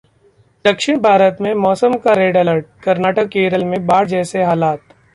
दक्षिण भारत में मौसम का रेड अलर्ट, कर्नाटक-केरल में बाढ़ जैसे हालात